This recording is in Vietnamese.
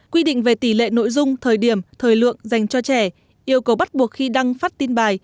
quy định về tỷ lệ nội dung thời điểm thời lượng dành cho trẻ yêu cầu bắt buộc khi đăng phát tin bài